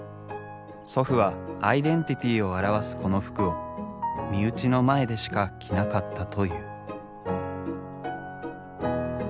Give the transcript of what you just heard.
祖父はアイデンティティーを表すこの服を身内の前でしか着なかったという。